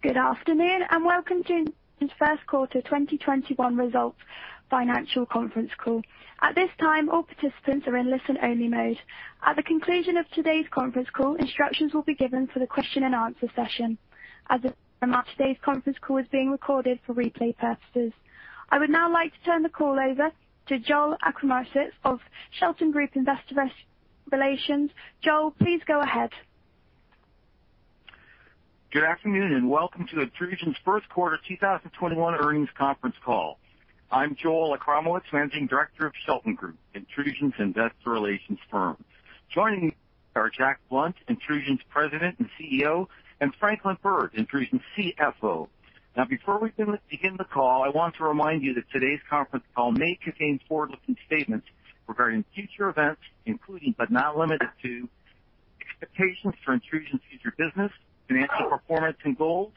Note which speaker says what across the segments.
Speaker 1: Good afternoon, and welcome to Intrusion's first quarter 2021 results financial conference call. At this time, all participants are in listen-only mode. At the conclusion of today's conference call, instructions will be given for the question and answer session. As a reminder, today's conference call is being recorded for replay purposes. I would now like to turn the call over to Joel Achramowicz of Shelton Group Investor Relations. Joel, please go ahead.
Speaker 2: Good afternoon, and welcome to Intrusion's first quarter 2021 earnings conference call. I'm Joel Achramowicz, Managing Director of Shelton Group, Intrusion's investor relations firm. Joining me are Jack Blount, Intrusion's President and CEO, and Franklin Byrd, Intrusion's CFO. Now, before we begin the call, I want to remind you that today's conference call may contain forward-looking statements regarding future events, including but not limited to expectations for Intrusion's future business, financial performance and goals,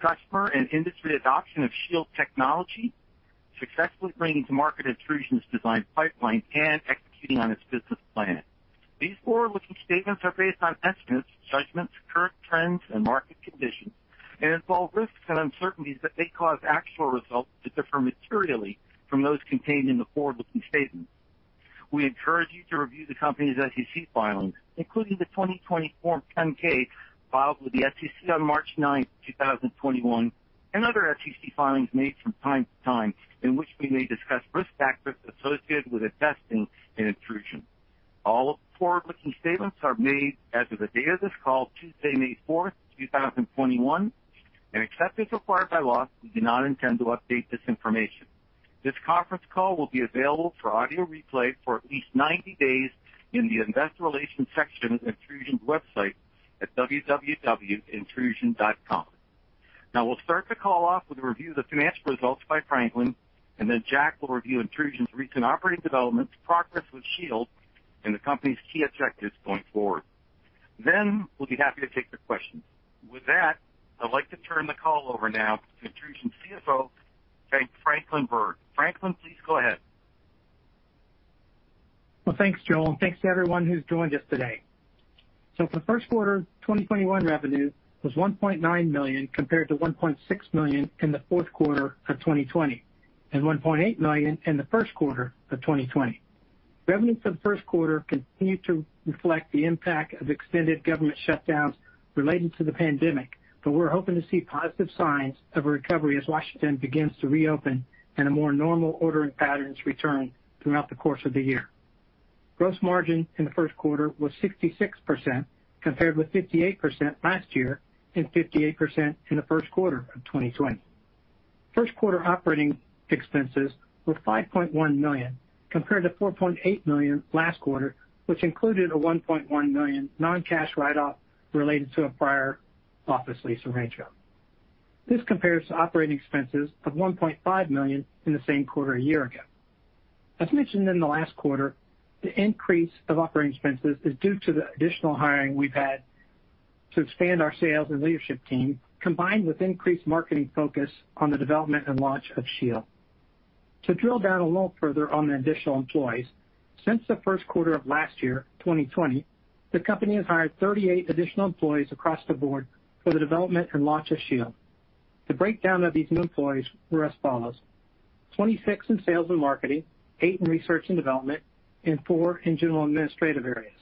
Speaker 2: customer and industry adoption of Shield technology, successfully bringing to market Intrusion's design pipeline, and executing on its business plan. These forward-looking statements are based on estimates, judgments, current trends, and market conditions and involve risks and uncertainties that may cause actual results to differ materially from those contained in the forward-looking statements. We encourage you to review the company's SEC filings, including the 2020 Form 10-K filed with the SEC on March 9th, 2021, and other SEC filings made from time to time, in which we may discuss risk factors associated with investing in Intrusion. All forward-looking statements are made as of the date of this call, Tuesday, May 4th, 2021. Except as required by law, we do not intend to update this information. This conference call will be available for audio replay for at least 90 days in the investor relations section of Intrusion's website at www.intrusion.com. Now, we'll start the call off with a review of the financial results by Franklin, and then Jack will review Intrusion's recent operating developments, progress with Shield, and the company's key objectives going forward. we'll be happy to take the questions. With that, I'd like to turn the call over now to Intrusion's CFO, Franklin Byrd. Franklin, please go ahead.
Speaker 3: Well, thanks, Joel, and thanks to everyone who's joined us today. The first quarter 2021 revenue was $1.9 million compared to $1.6 million in the fourth quarter of 2020 and $1.8 million in the first quarter of 2020. Revenues for the first quarter continued to reflect the impact of extended government shutdowns relating to the pandemic, but we're hoping to see positive signs of a recovery as Washington begins to reopen and the more normal ordering patterns return throughout the course of the year. Gross margin in the first quarter was 66%, compared with 58% last year and 58% in the first quarter of 2020. First quarter operating expenses were $5.1 million, compared to $4.8 million last quarter, which included a $1.1 million non-cash write-off related to a prior office lease in Rancho. This compares to operating expenses of $1.5 million in the same quarter a year ago. As mentioned in the last quarter, the increase of operating expenses is due to the additional hiring we've had to expand our sales and leadership team, combined with increased marketing focus on the development and launch of Shield. To drill down a little further on the additional employees, since the first quarter of last year, 2020, the company has hired 38 additional employees across the board for the development and launch of Shield. The breakdown of these new employees were as follows: 26 in sales and marketing, eight in research and development, and four in general administrative areas.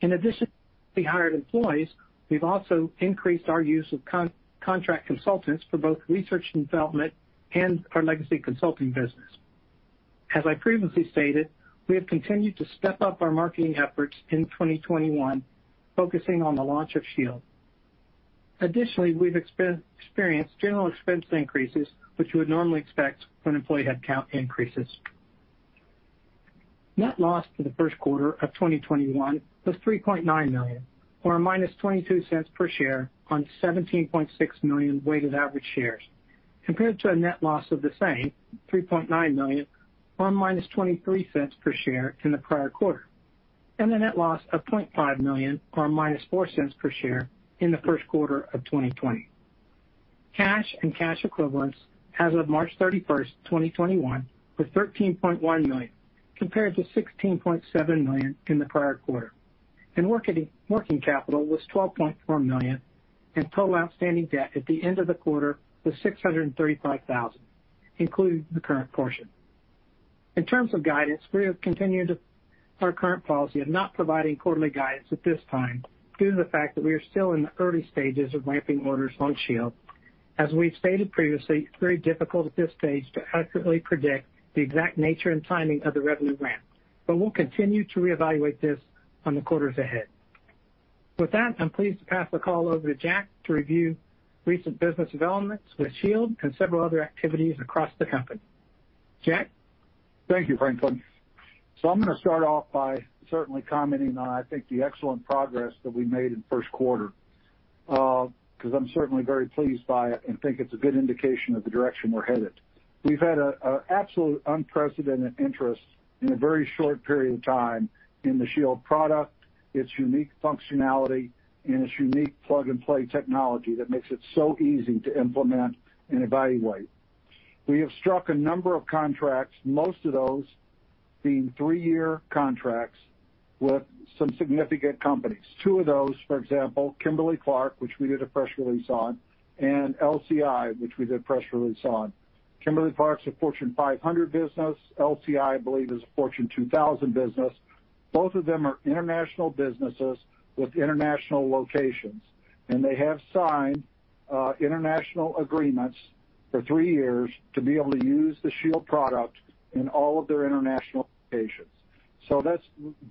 Speaker 3: In addition to the hired employees, we've also increased our use of contract consultants for both research and development and our legacy consulting business. As I previously stated, we have continued to step up our marketing efforts in 2021, focusing on the launch of Shield. Additionally, we've experienced general expense increases, which you would normally expect when employee headcount increases. Net loss for the first quarter of 2021 was $3.9 million or a minus $0.22 per share on 17.6 million weighted average shares, compared to a net loss of the same, $3.9 million or a minus $0.23 per share in the prior quarter, and a net loss of $0.5 million or a -$0.04 per share in the first quarter of 2020. Cash and cash equivalents as of March 31st, 2021, were $13.1 million, compared to $16.7 million in the prior quarter. Working capital was $12.4 million, Total outstanding debt at the end of the quarter was $635,000, including the current portion. In terms of guidance, we have continued our current policy of not providing quarterly guidance at this time due to the fact that we are still in the early stages of ramping orders on Shield. As we've stated previously, it's very difficult at this stage to accurately predict the exact nature and timing of the revenue ramp, but we'll continue to reevaluate this on the quarters ahead. With that, I'm pleased to pass the call over to Jack to review recent business developments with Shield and several other activities across the company. Jack?
Speaker 4: Thank you, Franklin. I'm going to start off by certainly commenting on, I think, the excellent progress that we made in the first quarter, because I'm certainly very pleased by it and think it's a good indication of the direction we're headed. We've had an absolute unprecedented interest in a very short period of time in the Shield product, its unique functionality, and its unique plug-and-play technology that makes it so easy to implement in a variety of ways. We have struck a number of contracts, most of those being three-year contracts, with some significant companies. Two of those, for example, Kimberly-Clark, which we did a press release on, and LCI, which we did a press release on. Kimberly-Clark's a Fortune 500 business. LCI, I believe, is a Fortune 2000 business. Both of them are international businesses with international locations, and they have signed international agreements for three years to be able to use the Shield product in all of their international locations. That's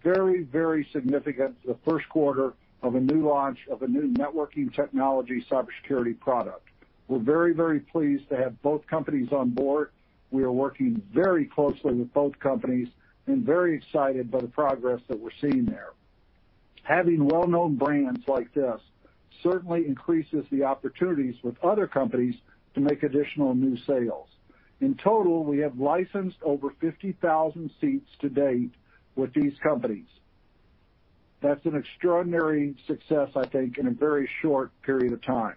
Speaker 4: very, very significant for the first quarter of a new launch of a new networking technology cybersecurity product. We're very, very pleased to have both companies on board. We are working very closely with both companies and very excited by the progress that we're seeing there. Having well-known brands like this certainly increases the opportunities with other companies to make additional new sales. In total, we have licensed over 50,000 seats to date with these companies. That's an extraordinary success, I think, in a very short period of time.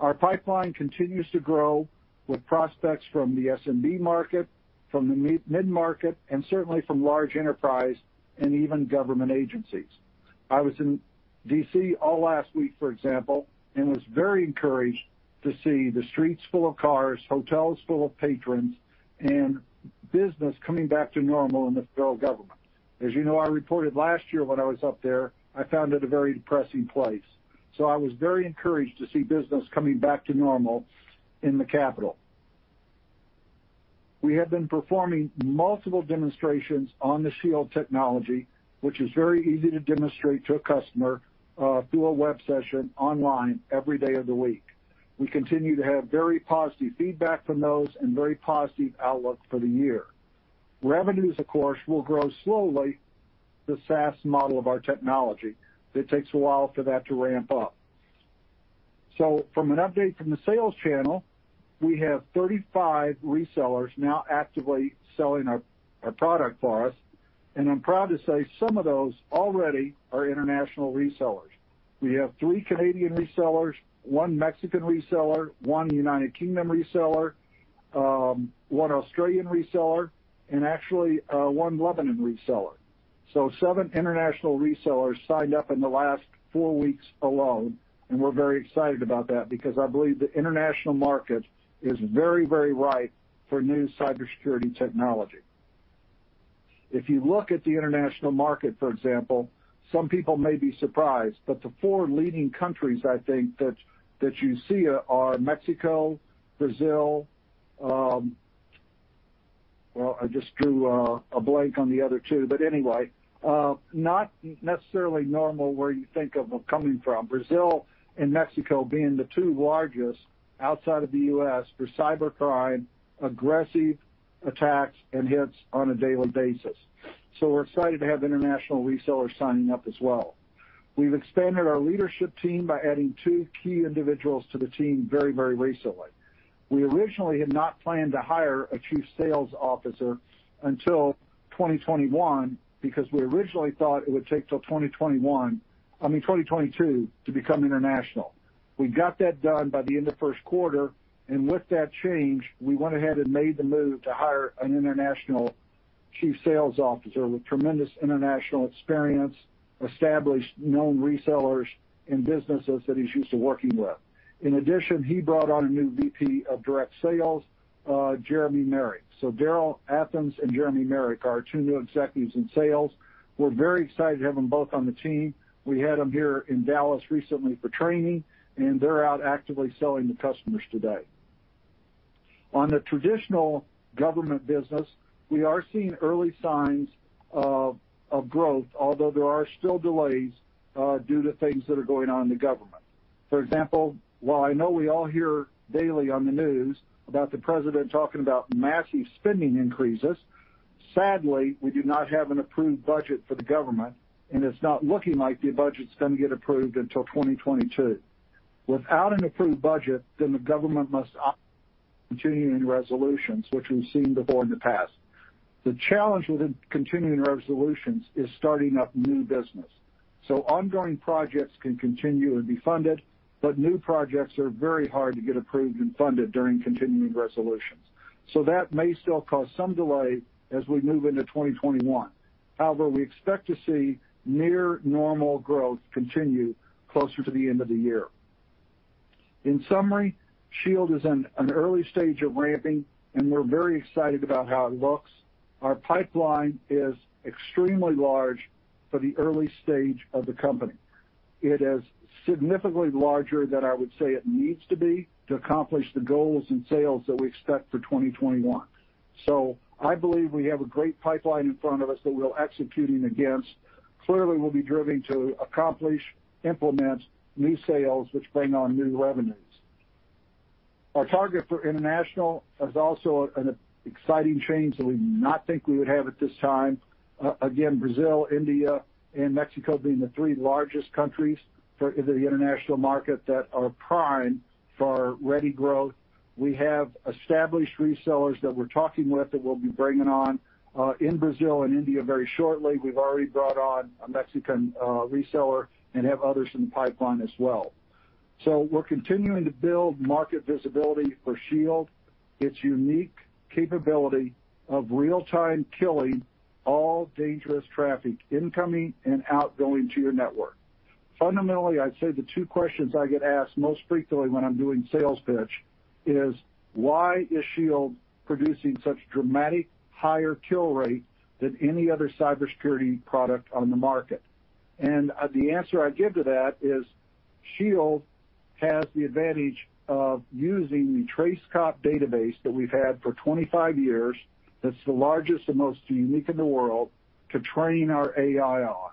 Speaker 4: Our pipeline continues to grow with prospects from the SMB market, from the mid-market, and certainly from large enterprise and even government agencies. I was in D.C. all last week, for example, and was very encouraged to see the streets full of cars, hotels full of patrons, and business coming back to normal in the federal government. As you know, I reported last year when I was up there, I found it a very depressing place. I was very encouraged to see business coming back to normal in the capital. We have been performing multiple demonstrations on the Shield technology, which is very easy to demonstrate to a customer through a web session online every day of the week. We continue to have very positive feedback from those and very positive outlook for the year. Revenues, of course, will grow slowly with the SaaS model of our technology. It takes a while for that to ramp up. From an update from the sales channel, we have 35 resellers now actively selling our product for us, and I'm proud to say some of those already are international resellers. We have three Canadian resellers, one Mexican reseller, one United Kingdom reseller, one Australian reseller, and actually, one Lebanon reseller. Seven international resellers signed up in the last four weeks alone, and we're very excited about that because I believe the international market is very, very ripe for new cybersecurity technology. If you look at the international market, for example, some people may be surprised, the four leading countries, I think that you see are Mexico, Brazil. I just drew a blank on the other two, but anyway. Not necessarily normal where you think of them coming from. Brazil and Mexico being the two largest outside of the U.S. for cybercrime, aggressive attacks, and hits on a daily basis. We're excited to have international resellers signing up as well. We've expanded our leadership team by adding two key individuals to the team very recently. We originally had not planned to hire a chief sales officer until 2021 because we originally thought it would take till 2022 to become international. We got that done by the end of first quarter, and with that change, we went ahead and made the move to hire an international Chief Sales Officer with tremendous international experience, established known resellers and businesses that he's used to working with. In addition, he brought on a new VP of Direct Sales, Jeremy Mermigas. Darrin P. Bivens and Jeremy Mermigas are our two new executives in sales. We're very excited to have them both on the team. We had them here in Dallas recently for training, and they're out actively selling to customers today. On the traditional government business, we are seeing early signs of growth, although there are still delays due to things that are going on in the government. For example, while I know we all hear daily on the news about the president talking about massive spending increases, sadly, we do not have an approved budget for the government, and it's not looking like the budget's going to get approved until 2022. Without an approved budget, the government must opt for continuing resolutions, which we've seen before in the past. The challenge with the continuing resolutions is starting up new business. Ongoing projects can continue and be funded, but new projects are very hard to get approved and funded during continuing resolutions. That may still cause some delay as we move into 2021. However, we expect to see near normal growth continue closer to the end of the year. In summary, INTRUSION Shield is in an early stage of ramping, and we're very excited about how it looks. Our pipeline is extremely large for the early stage of the company. It is significantly larger than I would say it needs to be to accomplish the goals and sales that we expect for 2021. I believe we have a great pipeline in front of us that we're executing against. Clearly, we'll be driven to accomplish, implement new sales, which bring on new revenues. Our target for international is also an exciting change that we did not think we would have at this time. Brazil, India, and Mexico being the three largest countries for the international market that are prime for ready growth. We have established resellers that we're talking with that we'll be bringing on in Brazil and India very shortly. We've already brought on a Mexican reseller and have others in the pipeline as well. We're continuing to build market visibility for Shield, its unique capability of real-time killing all dangerous traffic incoming and outgoing to your network. Fundamentally, I'd say the two questions I get asked most frequently when I'm doing sales pitch is, why is Shield producing such dramatic higher kill rate than any other cybersecurity product on the market? The answer I give to that is, Shield has the advantage of using the TraceCop database that we've had for 25 years, that's the largest and most unique in the world, to train our AI on.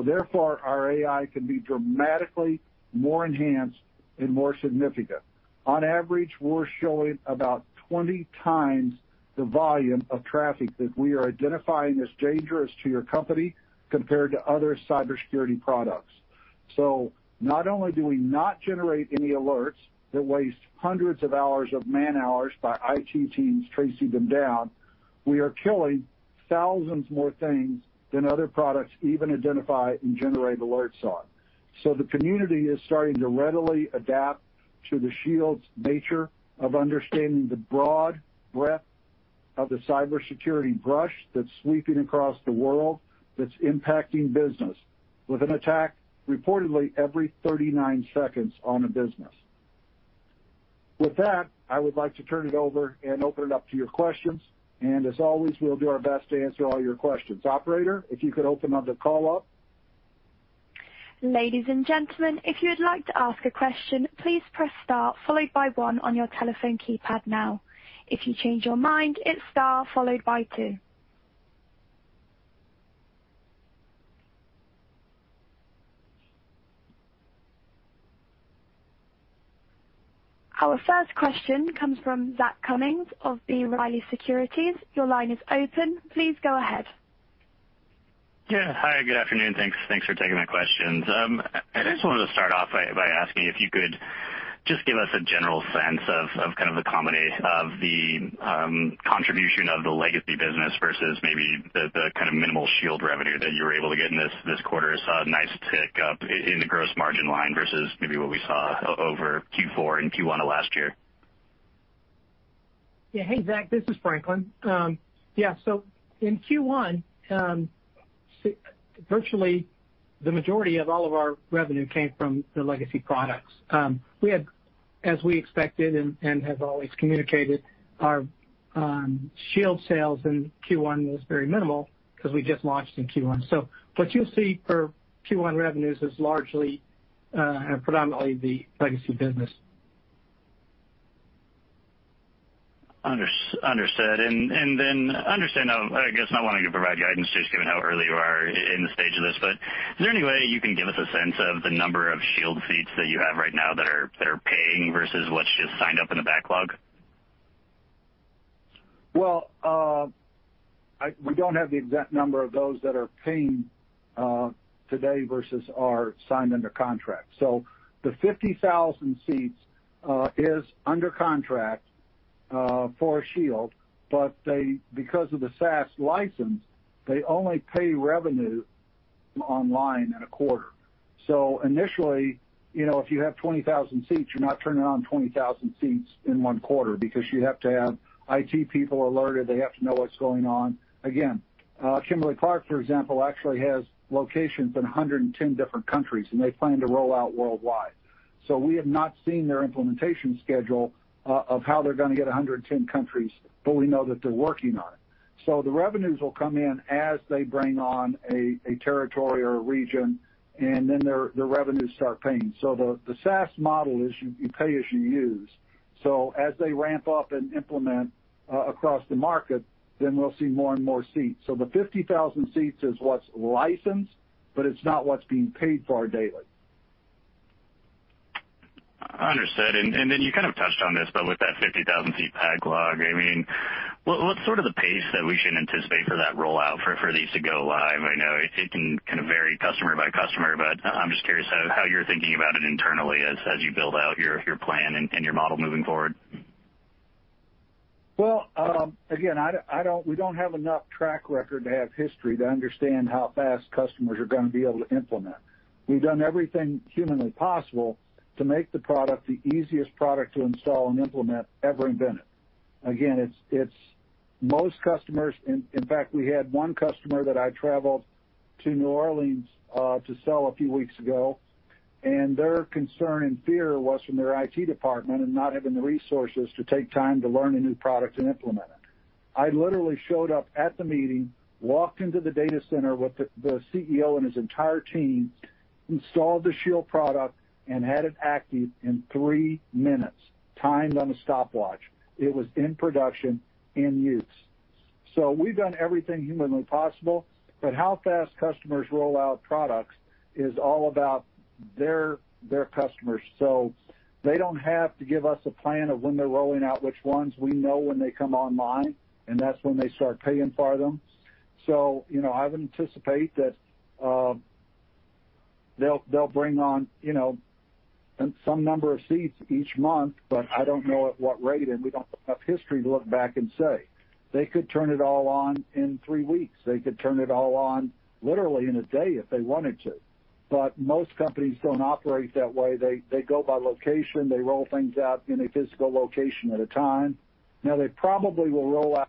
Speaker 4: Therefore, our AI can be dramatically more enhanced and more significant. On average, we're showing about 20x the volume of traffic that we are identifying as dangerous to your company compared to other cybersecurity products. Not only do we not generate any alerts that waste hundreds of hours of man-hours by IT teams tracing them down, we are killing thousands more things than other products even identify and generate alerts on. The community is starting to readily adapt to the Shield's nature of understanding the broad breadth of the cybersecurity brush that's sweeping across the world, that's impacting business with an attack reportedly every 39 seconds on a business. With that, I would like to turn it over and open it up to your questions, and as always, we'll do our best to answer all your questions. Operator, if you could open up the call up.
Speaker 1: Ladies and gentlemen, if you would like to ask a question, please press star followed by one on your telephone keypad now. If you change your mind, it's star followed by two. Our first question comes from Zach Cummins of B. Riley Securities. Your line is open. Please go ahead.
Speaker 5: Yeah. Hi, good afternoon. Thanks for taking my questions. I just wanted to start off by asking if you could just give us a general sense of the contribution of the legacy business versus maybe the kind of minimal Shield revenue that you were able to get in this quarter. I saw a nice tick up in the gross margin line versus maybe what we saw over Q4 and Q1 of last year.
Speaker 3: Yeah. Hey, Zach, this is Franklin. Yeah. In Q1, virtually the majority of all of our revenue came from the legacy products. We had, as we expected and have always communicated, our Shield sales in Q1 was very minimal because we just launched in Q1. What you'll see for Q1 revenues is largely, predominantly the legacy business.
Speaker 5: Understood. Understand, I guess, not wanting to provide guidance just given how early you are in the stage of this, but is there any way you can give us a sense of the number of Shield seats that you have right now that are paying versus what's just signed up in the backlog?
Speaker 4: Well, we don't have the exact number of those that are paying today versus are signed under contract. the 50,000 seats is under contract for Shield, but because of the SaaS license, they only pay revenue online in a quarter. initially, if you have 20,000 seats, you're not turning on 20,000 seats in one quarter because you have to have IT people alerted. They have to know what's going on. Again, Kimberly-Clark, for example, actually has locations in 110 different countries, and they plan to roll out worldwide. we have not seen their implementation schedule of how they're going to get 110 countries, but we know that they're working on it. the revenues will come in as they bring on a territory or a region, and then their revenues start paying. the SaaS model is you pay as you use. As they ramp up and implement across the market, then we'll see more and more seats. The 50,000 seats is what's licensed, but it's not what's being paid for daily.
Speaker 5: Understood. You kind of touched on this, but with that 50,000-seat backlog, what's sort of the pace that we should anticipate for that rollout for these to go live? I know it can kind of vary customer by customer, but I'm just curious how you're thinking about it internally as you build out your plan and your model moving forward.
Speaker 4: Well, again, we don't have enough track record to have history to understand how fast customers are going to be able to implement. We've done everything humanly possible to make the product the easiest product to install and implement ever invented. Again, it's most customers. In fact, we had one customer that I traveled to New Orleans to sell a few weeks ago, and their concern and fear was from their IT department and not having the resources to take time to learn a new product and implement it. I literally showed up at the meeting, walked into the data center with the CEO and his entire team, installed the Shield product, and had it active in three minutes, timed on a stopwatch. It was in production, in use. We've done everything humanly possible, but how fast customers roll out products is all about their customers. They don't have to give us a plan of when they're rolling out which ones. We know when they come online, and that's when they start paying for them. I would anticipate that they'll bring on some number of seats each month, but I don't know at what rate, and we don't have enough history to look back and say. They could turn it all on in three weeks. They could turn it all on literally in a day if they wanted to. Most companies don't operate that way. They go by location. They roll things out in a physical location at a time. Now they probably will roll out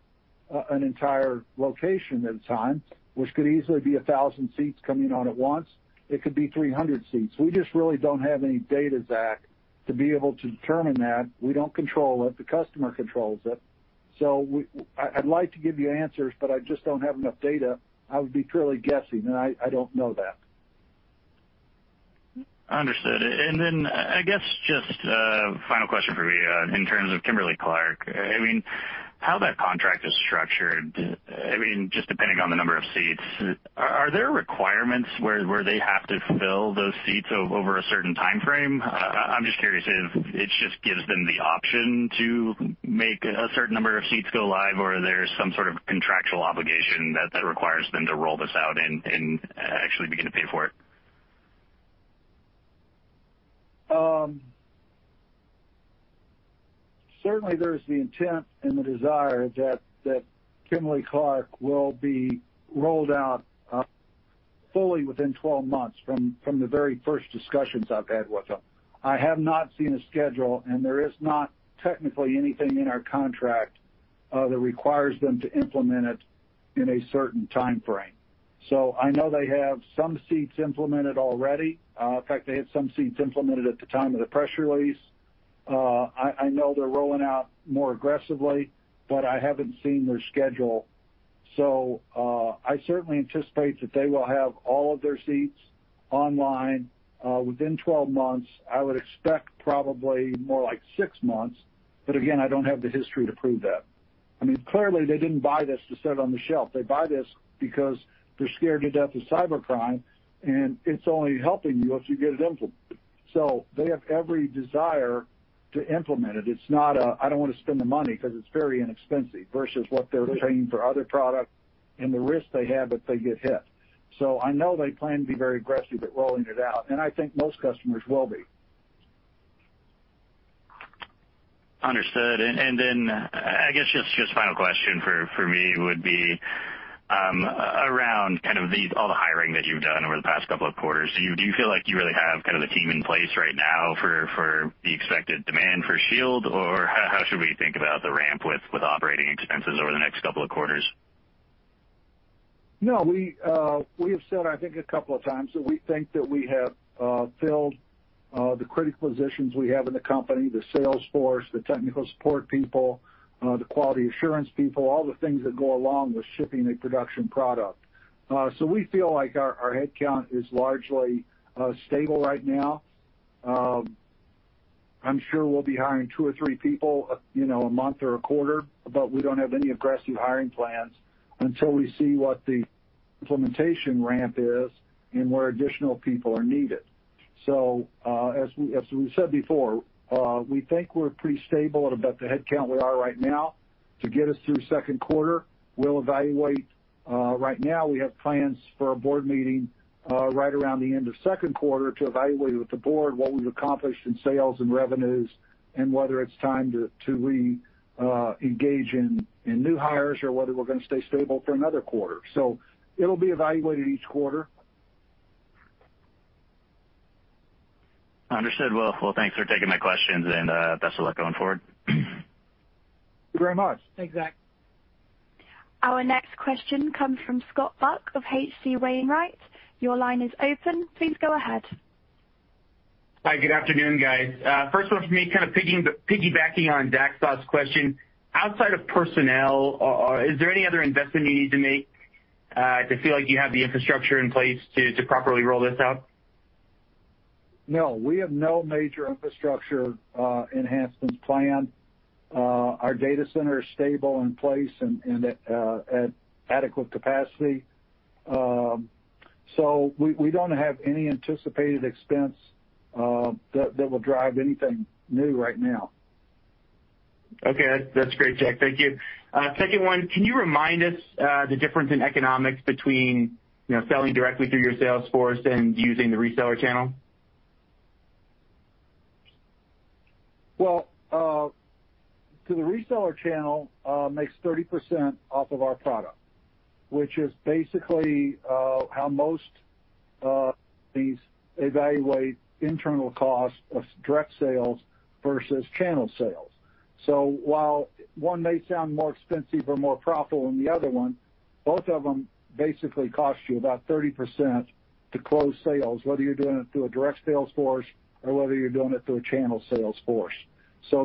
Speaker 4: an entire location at a time, which could easily be 1,000 seats coming on at once. It could be 300 seats. We just really don't have any data, Zach, to be able to determine that. We don't control it. The customer controls it. I'd like to give you answers, but I just don't have enough data. I would be purely guessing, and I don't know that.
Speaker 5: Understood. I guess just a final question from me. In terms of Kimberly-Clark, how that contract is structured, just depending on the number of seats, are there requirements where they have to fill those seats over a certain timeframe? I'm just curious if it just gives them the option to make a certain number of seats go live, or there's some sort of contractual obligation that requires them to roll this out and actually begin to pay for it.
Speaker 4: Certainly, there's the intent and the desire that Kimberly-Clark will be rolled out fully within 12 months from the very first discussions I've had with them. I have not seen a schedule, and there is not technically anything in our contract that requires them to implement it in a certain timeframe. I know they have some seats implemented already. In fact, they had some seats implemented at the time of the press release. I know they're rolling out more aggressively, but I haven't seen their schedule. I certainly anticipate that they will have all of their seats online within 12 months. I would expect probably more like six months. Again, I don't have the history to prove that. Clearly, they didn't buy this to set it on the shelf. They buy this because they're scared to death of cybercrime, and it's only helping you if you get it implemented. They have every desire to implement it. It's not a, "I don't want to spend the money," because it's very inexpensive versus what they're paying for other products and the risk they have if they get hit. I know they plan to be very aggressive at rolling it out, and I think most customers will be.
Speaker 5: Understood. I guess just final question for me would be around all the hiring that you've done over the past couple of quarters. Do you feel like you really have the team in place right now for the expected demand for Shield? How should we think about the ramp with operating expenses over the next couple of quarters?
Speaker 4: No. We have said, I think, a couple of times that we think that we have filled the critical positions we have in the company, the sales force, the technical support people, the quality assurance people, all the things that go along with shipping a production product. We feel like our headcount is largely stable right now. I'm sure we'll be hiring two or three people a month or a quarter, but we don't have any aggressive hiring plans until we see what the implementation ramp is and where additional people are needed. As we said before, we think we're pretty stable at about the headcount we are right now to get us through second quarter. We'll evaluate. Right now, we have plans for a board meeting right around the end of second quarter to evaluate with the board what we've accomplished in sales and revenues and whether it's time to re-engage in new hires or whether we're going to stay stable for another quarter. It'll be evaluated each quarter.
Speaker 5: Understood. Well, thanks for taking my questions, and best of luck going forward.
Speaker 4: Thank you very much. Thanks, Zach.
Speaker 1: Our next question comes from Scott Buck of H.C. Wainwright. Your line is open. Please go ahead.
Speaker 6: Hi. Good afternoon, guys. First one from me, kind of piggybacking on Zach's last question. Outside of personnel, is there any other investment you need to make to feel like you have the infrastructure in place to properly roll this out?
Speaker 4: No, we have no major infrastructure enhancements planned. Our data center is stable, in place, and at adequate capacity. We don't have any anticipated expense that will drive anything new right now.
Speaker 6: Okay. That's great, Jack. Thank you. Second one, can you remind us the difference in economics between selling directly through your sales force and using the reseller channel?
Speaker 4: Well, the reseller channel makes 30% off of our product, which is basically how most companies evaluate internal costs of direct sales versus channel sales. While one may sound more expensive or more profitable than the other one, both of them basically cost you about 30% to close sales, whether you're doing it through a direct sales force or whether you're doing it through a channel sales force.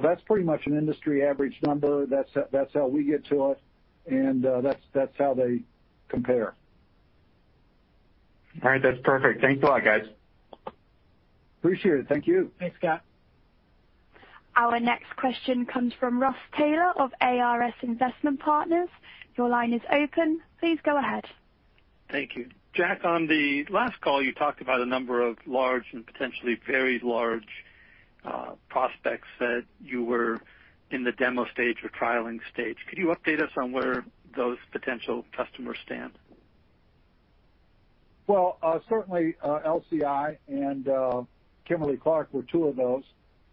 Speaker 4: That's pretty much an industry average number. That's how we get to it, and that's how they compare.
Speaker 6: All right. That's perfect. Thanks a lot, guys.
Speaker 4: Appreciate it. Thank you.
Speaker 3: Thanks, Scott.
Speaker 1: Our next question comes from P. Ross Taylor III of ARS Investment Partners. Your line is open. Please go ahead.
Speaker 7: Thank you. Jack, on the last call, you talked about a number of large and potentially very large prospects that you were in the demo stage or trialing stage. Could you update us on where those potential customers stand?
Speaker 4: Well, certainly LCI and Kimberly-Clark were two of those.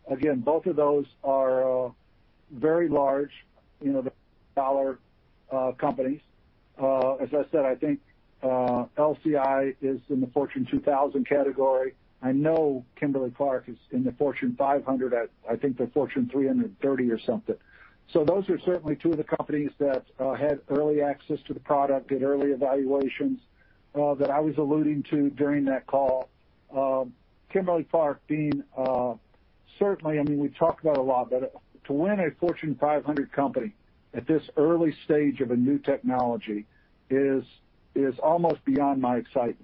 Speaker 4: Again, both of those are very large, the dollar companies. As I said, I think LCI is in the Fortune 2000 category. I know Kimberly-Clark is in the Fortune 500 as, I think, the Fortune 330 or something. those are certainly two of the companies that had early access to the product, did early evaluations that I was alluding to during that call. Kimberly-Clark being, certainly, we've talked about it a lot, but to win a Fortune 500 company at this early stage of a new technology is almost beyond my excitement.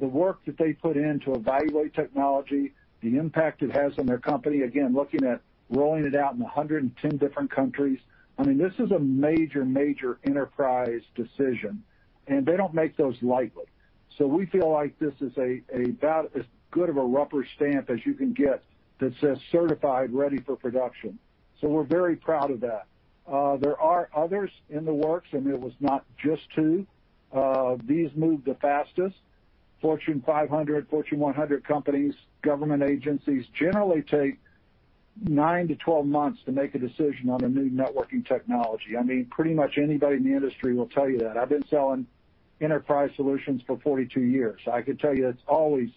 Speaker 4: The work that they put in to evaluate technology, the impact it has on their company, again, looking at rolling it out in 110 different countries. This is a major enterprise decision, and they don't make those lightly. We feel like this is about as good of a rubber stamp as you can get that says certified ready for production. We're very proud of that. There are others in the works, and it was not just two. These moved the fastest. Fortune 500, Fortune 100 companies, government agencies, generally take nine to 12 months to make a decision on a new networking technology. Pretty much anybody in the industry will tell you that. I've been selling enterprise solutions for 42 years. I could tell you it's always.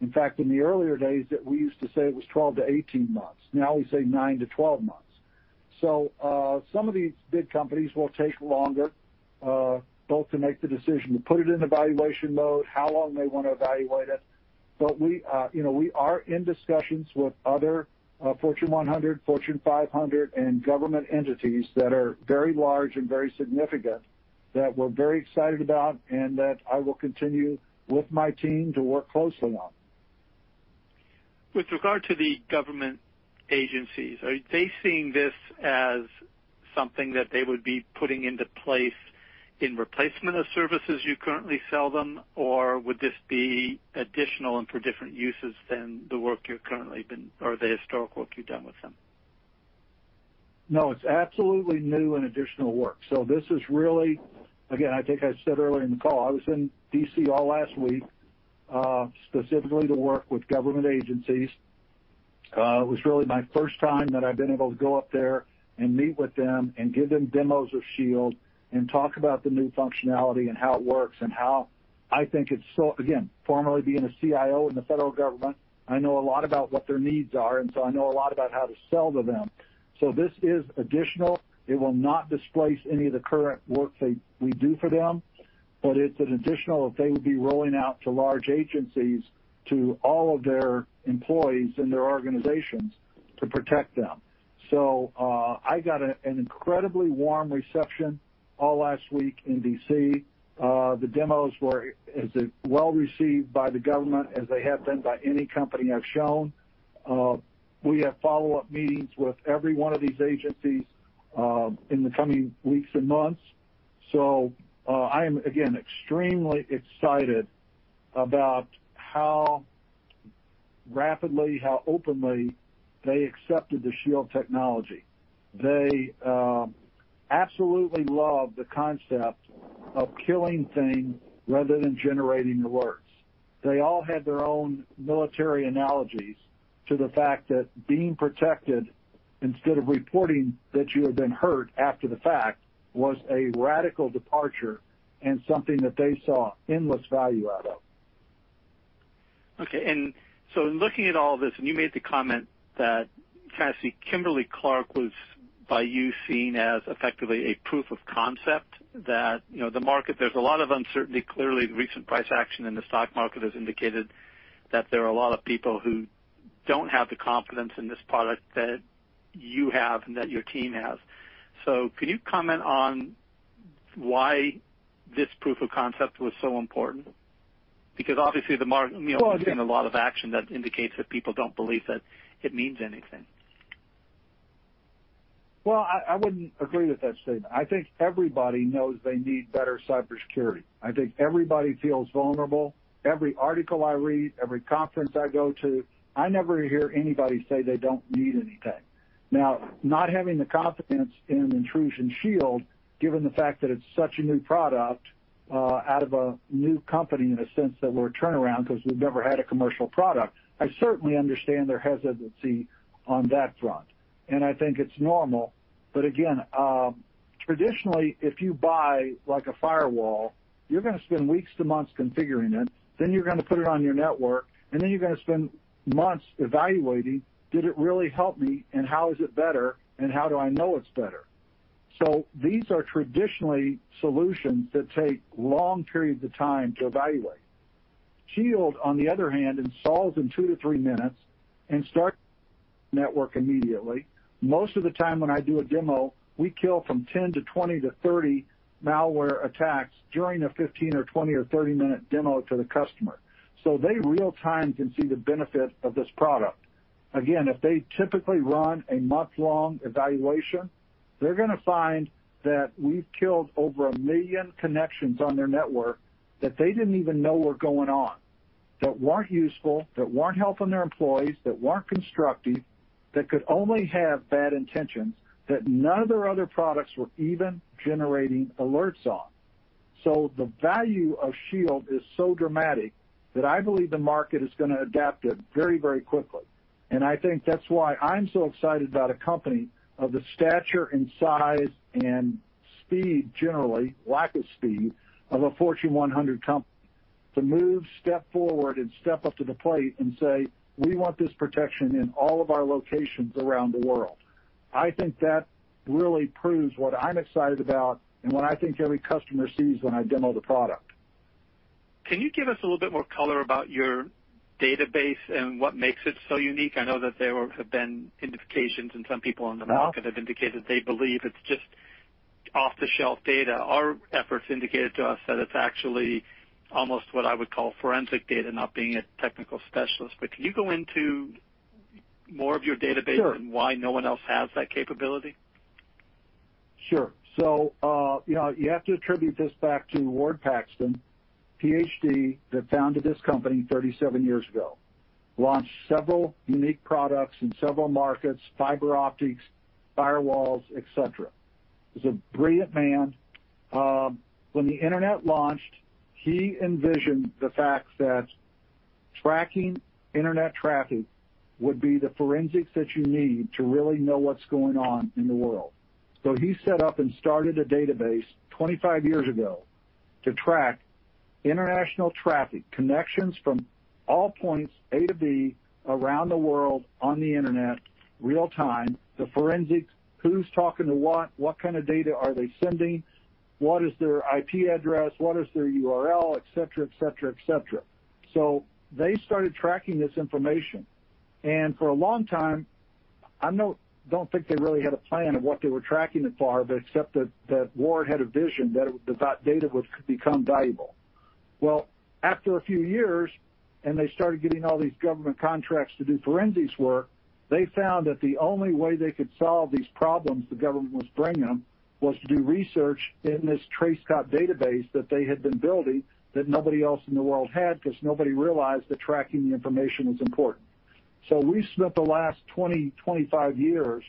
Speaker 4: In fact, in the earlier days that we used to say it was 12 months - 18 months. Now we say nine months - 12 months. Some of these big companies will take longer, both to make the decision to put it in evaluation mode, how long they want to evaluate it. We are in discussions with other Fortune 100, Fortune 500, and government entities that are very large and very significant that we're very excited about and that I will continue with my team to work closely on.
Speaker 7: With regard to the government agencies, are they seeing this as something that they would be putting into place in replacement of services you currently sell them? would this be additional and for different uses than the work you're currently been or the historic work you've done with them?
Speaker 4: No, it's absolutely new and additional work. This is really, again, I think I said earlier in the call, I was in D.C. all last week, specifically to work with government agencies. It was really my first time that I've been able to go up there and meet with them and give them demos of Shield and talk about the new functionality and how it works and how I think it's so. Again, formerly being a CIO in the federal government, I know a lot about what their needs are, and so I know a lot about how to sell to them. This is additional. It will not displace any of the current work that we do for them, but it's an additional that they would be rolling out to large agencies, to all of their employees and their organizations to protect them. I got an incredibly warm reception all last week in D.C. The demos were as well-received by the government as they have been by any company I've shown. We have follow-up meetings with every one of these agencies in the coming weeks and months. I am, again, extremely excited about how rapidly, how openly they accepted the Shield technology. They absolutely love the concept of killing things rather than generating alerts. They all had their own military analogies to the fact that being protected instead of reporting that you had been hurt after the fact was a radical departure and something that they saw endless value out of.
Speaker 7: Okay. In looking at all this, and you made the comment that kind of see Kimberly-Clark was, by you, seen as effectively a proof of concept that the market, there's a lot of uncertainty. Clearly, the recent price action in the stock market has indicated that there are a lot of people who don't have the confidence in this product that you have and that your team has. Can you comment on why this proof of concept was so important? Because obviously the market-
Speaker 4: Well,
Speaker 7: We've seen a lot of action that indicates that people don't believe that it means anything.
Speaker 4: Well, I wouldn't agree with that statement. I think everybody knows they need better cybersecurity. I think everybody feels vulnerable. Every article I read, every conference I go to, I never hear anybody say they don't need anything. Now, not having the confidence in Intrusion Shield, given the fact that it's such a new product, out of a new company in a sense that we're a turnaround because we've never had a commercial product. I certainly understand their hesitancy on that front, and I think it's normal. Again, traditionally, if you buy a firewall, you're going to spend weeks to months configuring it, then you're going to put it on your network, and then you're going to spend months evaluating, did it really help me and how is it better and how do I know it's better? These are traditionally solutions that take long periods of time to evaluate. Shield, on the other hand, installs in two to three minutes and starts network immediately. Most of the time when I do a demo, we kill from 10 - 20 - 30 malware attacks during a 15 or 20 or 30-minute demo to the customer. They real time can see the benefit of this product. Again, if they typically run a month-long evaluation, they're going to find that we've killed over a million connections on their network that they didn't even know were going on, that weren't useful, that weren't helping their employees, that weren't constructive, that could only have bad intentions, that none of their other products were even generating alerts on. The value of Shield is so dramatic that I believe the market is going to adopt it very quickly. I think that's why I'm so excited about a company of the stature and size and speed, generally lack of speed, of a Fortune 100 company to move, step forward, and step up to the plate and say, "We want this protection in all of our locations around the world." I think that really proves what I'm excited about and what I think every customer sees when I demo the product.
Speaker 7: Can you give us a little bit more color about your database and what makes it so unique? I know that there have been indications and some people on the market have indicated they believe it's just off-the-shelf data. Our efforts indicated to us that it's actually almost what I would call forensic data, not being a technical specialist. Can you go into more of your database-
Speaker 4: Sure
Speaker 7: why no one else has that capability?
Speaker 4: Sure. You have to attribute this back to G. Ward Paxton, Ph.D., that founded this company 37 years ago. Launched several unique products in several markets, fiber optics, firewalls, et cetera. He's a brilliant man. When the internet launched, he envisioned the fact that tracking internet traffic would be the forensics that you need to really know what's going on in the world. He set up and started a database 25 years ago to track international traffic, connections from all points A to B around the world on the internet, real time, the forensics, who's talking to what kind of data are they sending, what is their IP address, what is their URL, et cetera. They started tracking this information, and for a long time, I don't think they really had a plan of what they were tracking it for, but except that Ward had a vision that that data would become valuable. Well, after a few years, and they started getting all these government contracts to do forensics work, they found that the only way they could solve these problems the government was bringing them was to do research in this TraceCop database that they had been building that nobody else in the world had, because nobody realized that tracking the information was important. We've spent the last 20 years, 25 years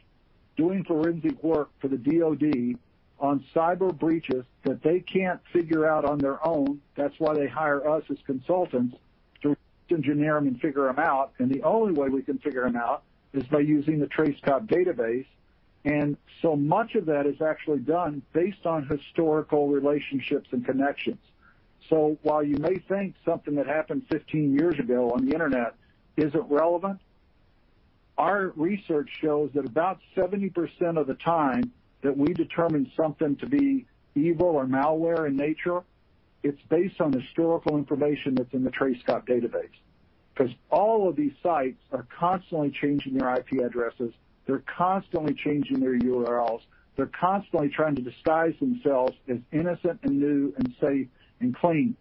Speaker 4: doing forensic work for the DoD on cyber breaches that they can't figure out on their own. That's why they hire us as consultants to engineer them and figure them out, and the only way we can figure them out is by using the TraceCop database. so much of that is actually done based on historical relationships and connections. while you may think something that happened 15 years ago on the internet isn't relevant, our research shows that about 70% of the time that we determine something to be evil or malware in nature, it's based on historical information that's in the TraceCop database. Because all of these sites are constantly changing their IP addresses. They're constantly changing their URLs. They're constantly trying to disguise themselves as innocent and new and safe and clean.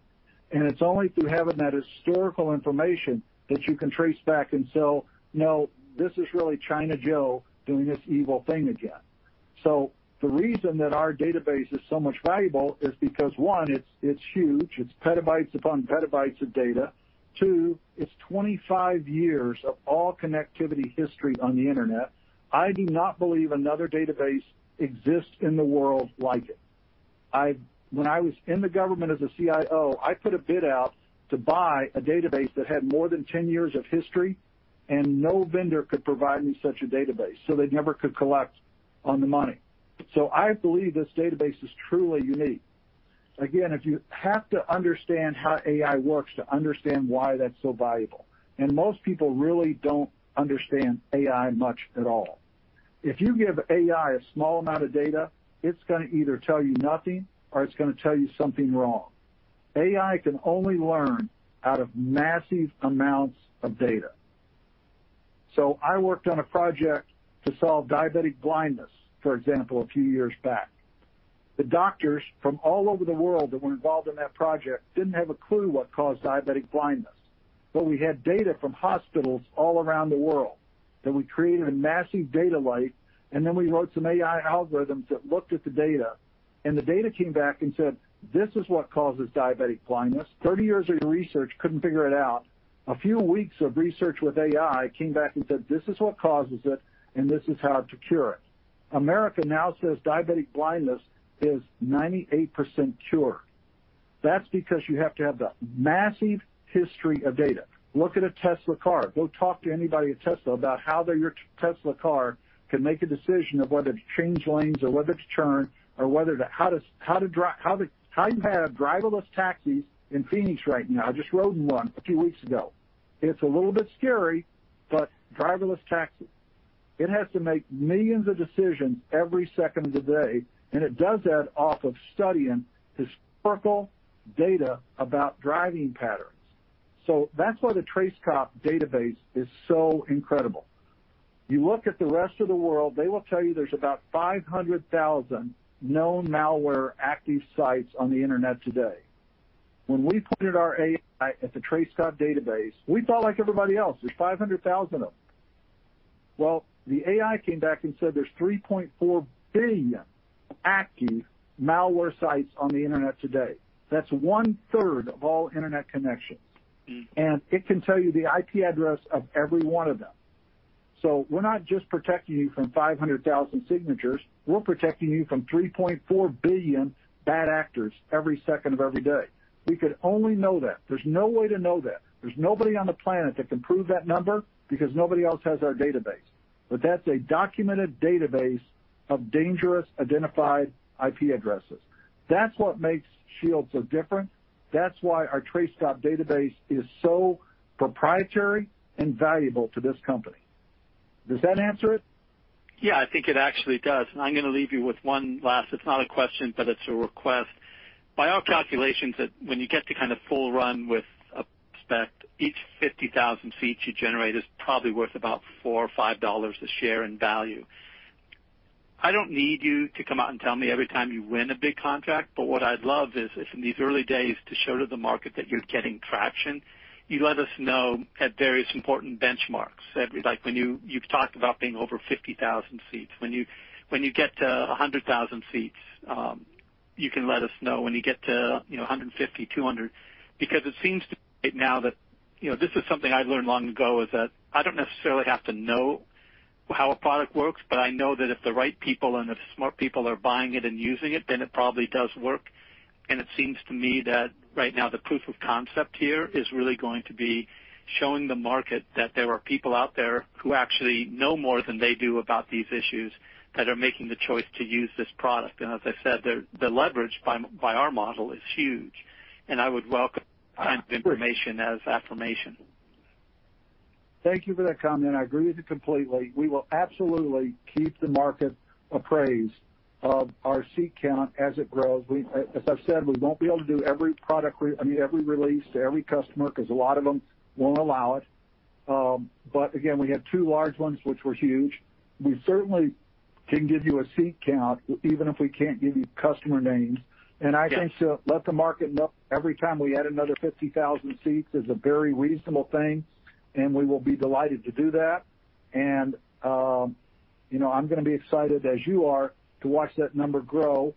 Speaker 4: it's only through having that historical information that you can trace back and say, "No, this is really China Joe doing this evil thing again." the reason that our database is so much valuable is because, one, it's huge. It's petabytes upon petabytes of data. Two, it's 25 years of all connectivity history on the internet. I do not believe another database exists in the world like it. When I was in the government as a CIO, I put a bid out to buy a database that had more than 10 years of history, and no vendor could provide me such a database, so they never could collect on the money. I believe this database is truly unique. Again, you have to understand how AI works to understand why that's so valuable, and most people really don't understand AI much at all. If you give AI a small amount of data, it's going to either tell you nothing or it's going to tell you something wrong. AI can only learn out of massive amounts of data. I worked on a project to solve diabetic blindness, for example, a few years back. The doctors from all over the world that were involved in that project didn't have a clue what caused diabetic blindness. We had data from hospitals all around the world, that we created a massive data lake, and then we wrote some AI algorithms that looked at the data, and the data came back and said, "This is what causes diabetic blindness." Thirty years of research couldn't figure it out. A few weeks of research with AI came back and said, "This is what causes it, and this is how to cure it." America now says diabetic blindness is 98% cured. That's because you have to have the massive history of data. Look at a Tesla car. Go talk to anybody at Tesla about how your Tesla car can make a decision of whether to change lanes or whether to turn or how you have driverless taxis in Phoenix right now. I just rode in one a few weeks ago. It's a little bit scary, but driverless taxi. It has to make millions of decisions every second of the day, and it does that off of studying historical data about driving patterns. That's why the TraceCop database is so incredible. You look at the rest of the world, they will tell you there's about 500,000 known malware active sites on the internet today. When we pointed our AI at the TraceCop database, we thought like everybody else, there's 500,000 of them. Well, the AI came back and said there's 3.4 billion active malware sites on the internet today. That's one-third of all internet connections. it can tell you the IP address of every one of them. We're not just protecting you from 500,000 signatures. We're protecting you from 3.4 billion bad actors every second of every day. We could only know that. There's no way to know that. There's nobody on the planet that can prove that number, because nobody else has our database. But that's a documented database of dangerous identified IP addresses. That's what makes Shield so different. That's why our TraceCop database is so proprietary and valuable to this company. Does that answer it?
Speaker 7: Yeah, I think it actually does, and I'm going to leave you with one last, it's not a question, but it's a request. By our calculations that when you get to kind of full run with a spec, each 50,000 seats you generate is probably worth about $4 or $5 a share in value. I don't need you to come out and tell me every time you win a big contract, but what I'd love is in these early days to show to the market that you're getting traction, you let us know at various important benchmarks. Like when you've talked about being over 50,000 seats. When you get to 100,000 seats, you can let us know. When you get to 150,000, 200,000. Because it seems to me right now that this is something I learned long ago, is that I don't necessarily have to know how a product works, but I know that if the right people and if smart people are buying it and using it, then it probably does work. It seems to me that right now the proof of concept here is really going to be showing the market that there are people out there who actually know more than they do about these issues that are making the choice to use this product. As I said, the leverage by our model is huge, and I would welcome that kind of information as affirmation.
Speaker 4: Thank you for that comment. I agree with you completely. We will absolutely keep the market appraised of our seat count as it grows. As I've said, we won't be able to do every product, I mean, every release to every customer, because a lot of them won't allow it. Again, we have two large ones which were huge. We certainly can give you a seat count even if we can't give you customer names.
Speaker 7: Yeah.
Speaker 4: I think to let the market know every time we add another 50,000 seats is a very reasonable thing, and we will be delighted to do that. I'm going to be excited as you are to watch that number grow,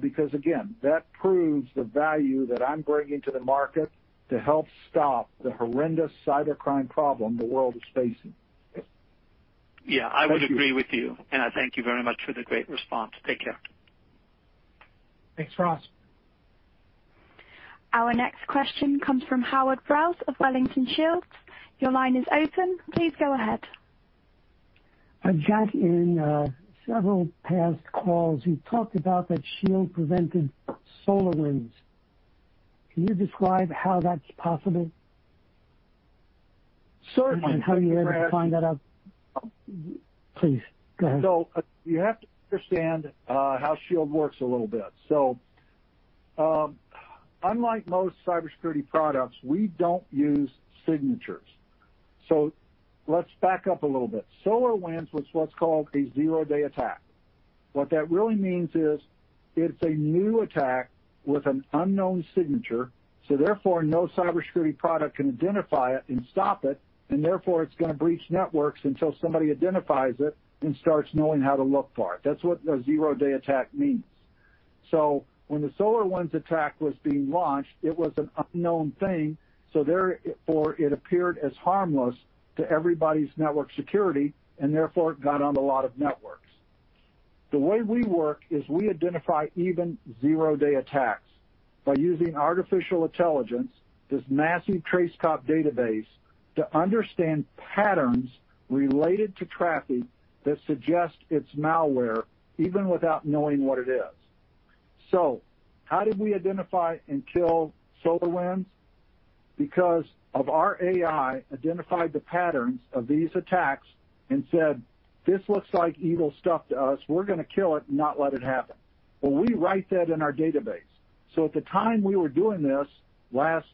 Speaker 4: because, again, that proves the value that I'm bringing to the market to help stop the horrendous cybercrime problem the world is facing.
Speaker 7: Yeah. I would agree with you, and I thank you very much for the great response. Take care.
Speaker 4: Thanks, Ross.
Speaker 1: Our next question comes from Howard Brous of Wellington Shields. Your line is open. Please go ahead.
Speaker 8: Jack, in several past calls, you talked about that Shield prevented SolarWinds. Can you describe how that's possible?
Speaker 4: Certainly.
Speaker 8: How you were able to find that out Please, go ahead.
Speaker 4: You have to understand how Shield works a little bit. Unlike most cybersecurity products, we don't use signatures. Let's back up a little bit. SolarWinds was what's called a zero-day attack. What that really means is it's a new attack with an unknown signature, so therefore, no cybersecurity product can identify it and stop it, and therefore, it's going to breach networks until somebody identifies it and starts knowing how to look for it. That's what a zero-day attack means. When the SolarWinds attack was being launched, it was an unknown thing, so therefore, it appeared as harmless to everybody's network security, and therefore, it got on a lot of networks. The way we work is we identify even zero-day attacks by using artificial intelligence, this massive TraceCop database, to understand patterns related to traffic that suggest it's malware even without knowing what it is. How did we identify and kill SolarWinds? Because of our AI identified the patterns of these attacks and said, "This looks like evil stuff to us. We're going to kill it and not let it happen." Well, we write that in our database. At the time we were doing this last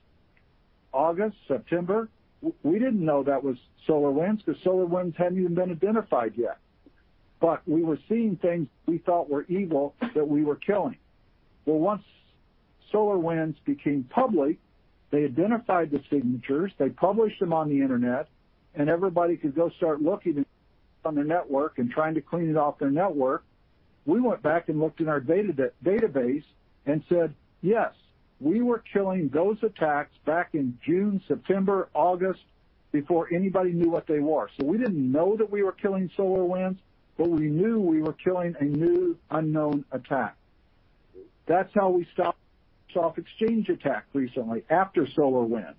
Speaker 4: August, September, we didn't know that was SolarWinds because SolarWinds hadn't even been identified yet. We were seeing things we thought were evil that we were killing. Well, once SolarWinds became public, they identified the signatures, they published them on the internet, and everybody could go start looking on their network and trying to clean it off their network. We went back and looked in our database and said, "Yes, we were killing those attacks back in June, September, August, before anybody knew what they were." We didn't know that we were killing SolarWinds, but we knew we were killing a new unknown attack. That's how we stopped Microsoft Exchange attack recently after SolarWinds.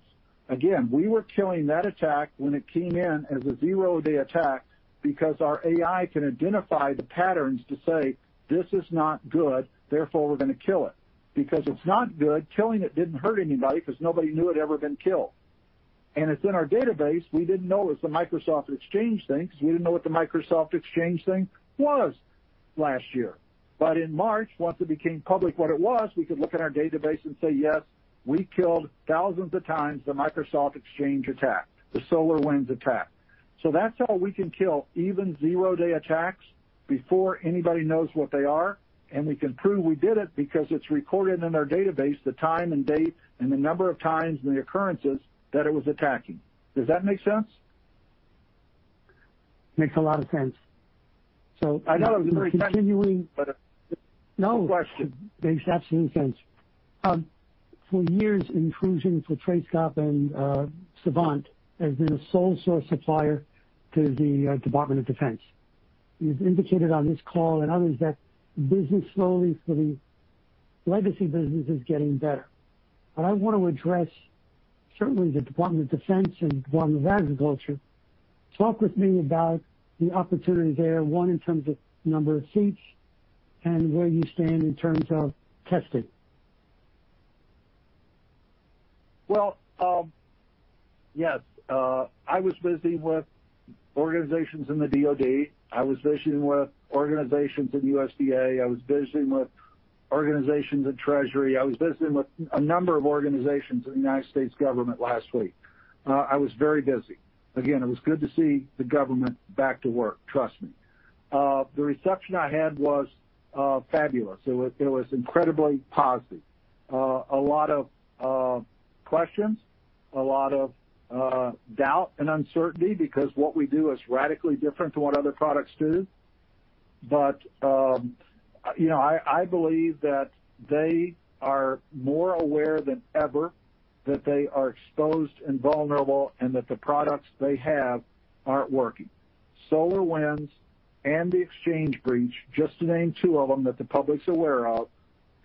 Speaker 4: Again, we were killing that attack when it came in as a zero-day attack because our AI can identify the patterns to say, "This is not good, therefore we're going to kill it." Because it's not good, killing it didn't hurt anybody because nobody knew it had ever been killed. It's in our database. We didn't know it was a Microsoft Exchange thing because we didn't know what the Microsoft Exchange thing was last year. In March, once it became public what it was, we could look in our database and say, "Yes, we killed thousands of times the Microsoft Exchange attack, the SolarWinds attack." That's how we can kill even zero-day attacks before anybody knows what they are. We can prove we did it because it's recorded in our database, the time and date and the number of times and the occurrences that it was attacking. Does that make sense?
Speaker 8: Makes a lot of sense.
Speaker 4: I know it was very technical.
Speaker 8: Continuing-
Speaker 4: But-
Speaker 8: No
Speaker 4: good question.
Speaker 8: Makes absolute sense. For years, Intrusion for TraceCop and Savant has been a sole source supplier to the Department of Defense. You've indicated on this call and others that business slowly for the legacy business is getting better. I want to address certainly the Department of Defense and Department of Agriculture. Talk with me about the opportunity there, one, in terms of number of seats and where you stand in terms of testing.
Speaker 4: Well, yes. I was visiting with organizations in the DoD. I was visiting with organizations in USDA. I was visiting with organizations at Treasury. I was visiting with a number of organizations in the United States government last week. I was very busy. It was good to see the government back to work, trust me. The reception I had was fabulous. It was incredibly positive. A lot of questions, a lot of doubt and uncertainty because what we do is radically different to what other products do. I believe that they are more aware than ever that they are exposed and vulnerable and that the products they have aren't working. SolarWinds and the Exchange breach, just to name two of them that the public's aware of,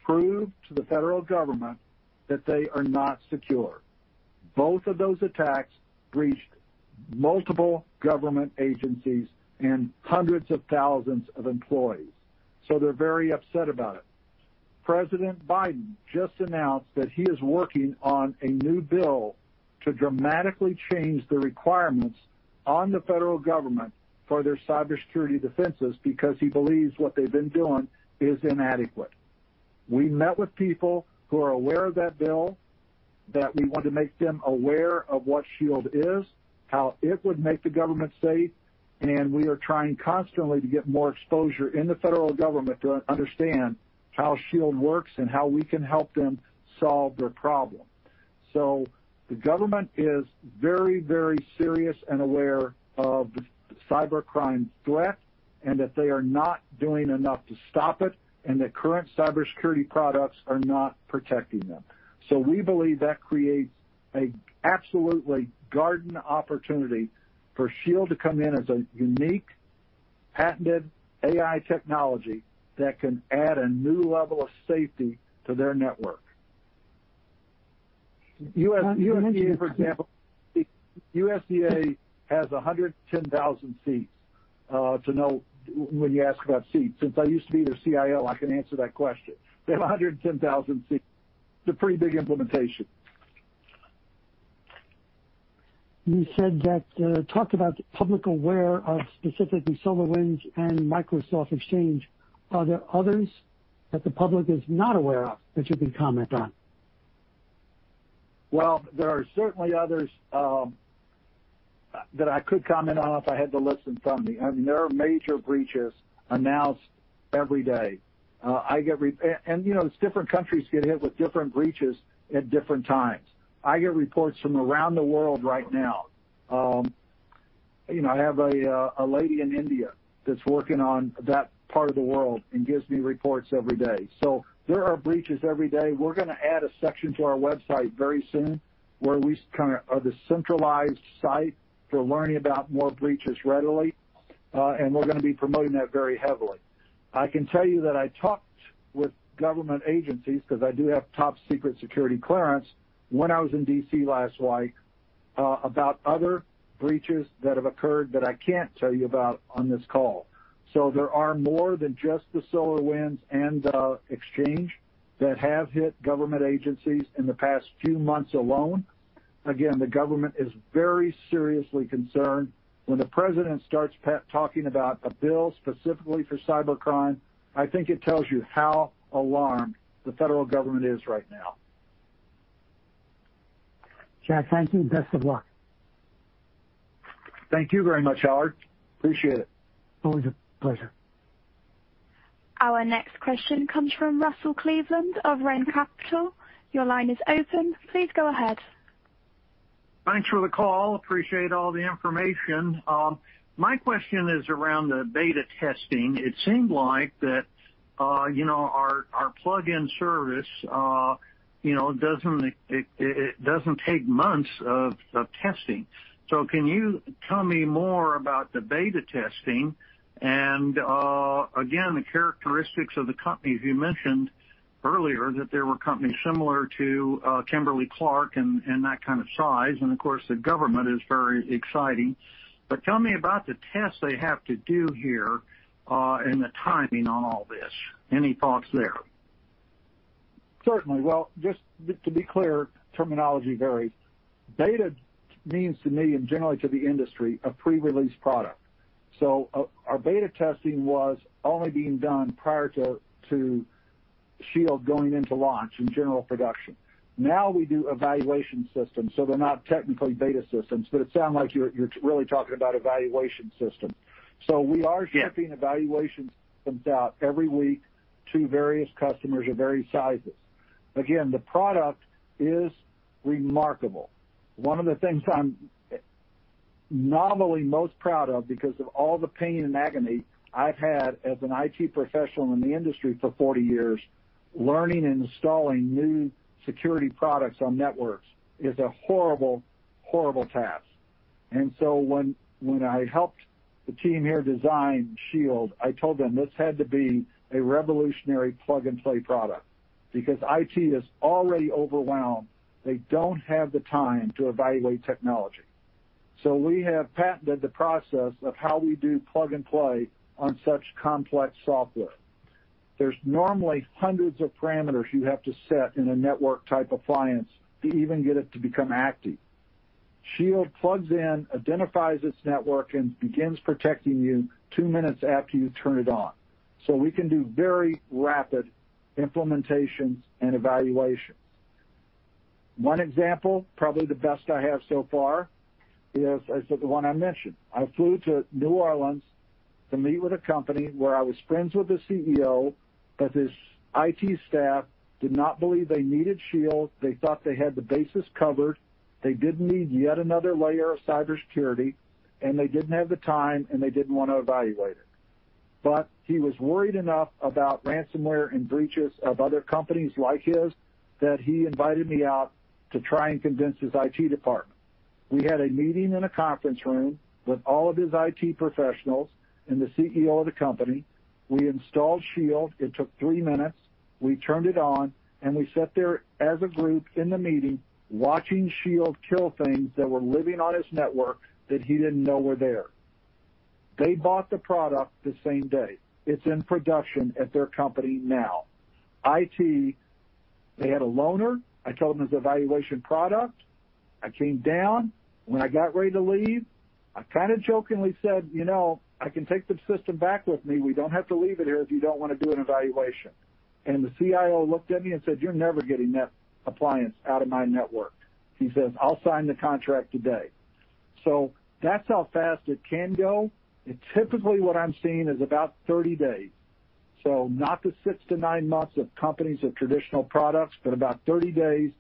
Speaker 4: prove to the federal government that they are not secure. Both of those attacks breached multiple government agencies and hundreds of thousands of employees, so they're very upset about it. President Joe Biden just announced that he is working on a new bill to dramatically change the requirements on the federal government for their cybersecurity defenses because he believes what they've been doing is inadequate. We met with people who are aware of that bill, that we want to make them aware of what INTRUSION Shield is, how it would make the government safe, and we are trying constantly to get more exposure in the federal government to understand how INTRUSION Shield works and how we can help them solve their problem. The government is very, very serious and aware of the cybercrime threat and that they are not doing enough to stop it and that current cybersecurity products are not protecting them. We believe that creates a absolutely golden opportunity for Shield to come in as a unique, patented AI technology that can add a new level of safety to their network.
Speaker 8: How many-
Speaker 4: USDA, for example USDA has 110,000 seats, to know when you ask about seats. Since I used to be their CIO, I can answer that question. They have 110,000 seats. It's a pretty big implementation.
Speaker 8: You said that, talked about the public aware of specifically SolarWinds and Microsoft Exchange. Are there others that the public is not aware of that you can comment on?
Speaker 4: Well, there are certainly others that I could comment on if I had the list in front of me. There are major breaches announced every day. It's different countries get hit with different breaches at different times. I get reports from around the world right now. I have a lady in India that's working on that part of the world and gives me reports every day. There are breaches every day. We're going to add a section to our website very soon where we kind of have a centralized site for learning about more breaches readily. We're going to be promoting that very heavily. I can tell you that I talked with government agencies, because I do have top secret security clearance, when I was in D.C. last week, about other breaches that have occurred that I can't tell you about on this call. there are more than just the SolarWinds and Exchange that have hit government agencies in the past few months alone. Again, the government is very seriously concerned. When the President starts talking about a bill specifically for cybercrime, I think it tells you how alarmed the federal government is right now.
Speaker 8: Jack, thank you. Best of luck.
Speaker 4: Thank you very much, Howard. Appreciate it.
Speaker 8: Always a pleasure.
Speaker 1: Our next question comes from Russell Cleveland of RENN Capital. Your line is open. Please go ahead.
Speaker 9: Thanks for the call. Appreciate all the information. My question is around the beta testing. It seemed like that our plug-in service, it doesn't take months of testing. Can you tell me more about the beta testing and, again, the characteristics of the companies you mentioned earlier, that there were companies similar to Kimberly-Clark and that kind of size, and of course, the government is very exciting. Tell me about the tests they have to do here, and the timing on all this. Any thoughts there?
Speaker 4: Certainly. Well, just to be clear, terminology varies. Beta means to me and generally to the industry, a pre-release product. Our beta testing was only being done prior to Shield going into launch in general production. Now we do evaluation systems, so they're not technically beta systems, but it sounds like you're really talking about evaluation system. We are-
Speaker 9: Yeah
Speaker 4: shipping evaluations out every week to various customers of various sizes. Again, the product is remarkable. One of the things I'm nominally most proud of because of all the pain and agony I've had as an IT professional in the industry for 40 years, learning and installing new security products on networks is a horrible task. When I helped the team here design Shield, I told them this had to be a revolutionary plug-and-play product because IT is already overwhelmed. They don't have the time to evaluate technology. We have patented the process of how we do plug and play on such complex software. There's normally hundreds of parameters you have to set in a network-type appliance to even get it to become active. Shield plugs in, identifies its network, and begins protecting you two minutes after you turn it on. We can do very rapid implementations and evaluations. One example, probably the best I have so far, is the one I mentioned. I flew to New Orleans to meet with a company where I was friends with the CEO, but his IT staff did not believe they needed Shield. They thought they had the bases covered. They didn't need yet another layer of cybersecurity, and they didn't have the time, and they didn't want to evaluate it. He was worried enough about ransomware and breaches of other companies like his that he invited me out to try and convince his IT department. We had a meeting in a conference room with all of his IT professionals and the CEO of the company. We installed Shield. It took three minutes. We turned it on, and we sat there as a group in the meeting, watching Shield kill things that were living on his network that he didn't know were there. They bought the product the same day. It's in production at their company now. IT, they had a loaner. I told them it was an evaluation product. I came down. When I got ready to leave, I kind of jokingly said, "You know, I can take the system back with me. We don't have to leave it here if you don't want to do an evaluation." The CIO looked at me and said, "You're never getting that appliance out of my network." He says, "I'll sign the contract today." That's how fast it can go, and typically what I'm seeing is about 30 days. Not the six to nine months of companies of traditional products, but about 30 days.